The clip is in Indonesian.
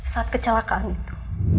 saat kecelakaan itu